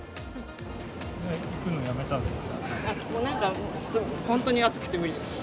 行くのやめたんですか？